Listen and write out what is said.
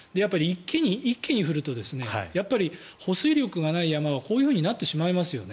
一気に降るとやっぱり保水力がない山はこうなってしまいますよね。